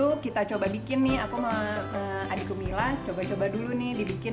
setelah itu kita coba bikin nih aku sama adikku mila coba coba dulu nih dibikin